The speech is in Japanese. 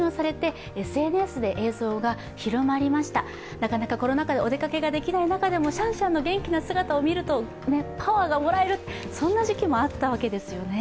なかなかコロナ禍でお出かけができない中でもシャンシャンの元気な姿を見るとパワーがもらえる、そんな時期もあったわけですよね。